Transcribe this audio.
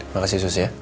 makasih sus ya